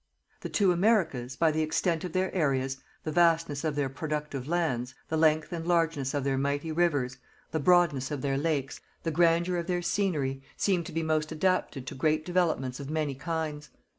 The two Americas, by the extent of their areas, the vastness of their productive lands, the length and largeness of their mighty Rivers, the broadness of their Lakes, the grandeur of their scenery, seem to be most adapted to great developments of many kinds.